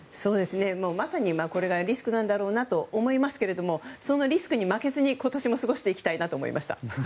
まさにこれがリスクなんだろうなと思いますがそのリスクに負けずに今年も過ごしていきたいと思いました。